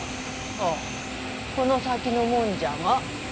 ああこの先のもんじゃが。